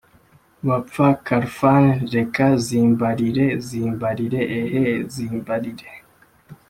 bapfa khalfan reka zimbarirezimbarire ehh zimbarire